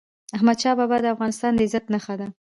احمدشاه بابا د افغانستان د عزت نښه ده.